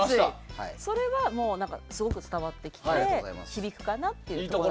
それは、すごく伝わってきて響くかなっていう。